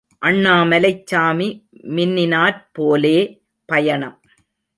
அண்ணாமலைச் சாமி மின்னினாற் போலே பயணம்.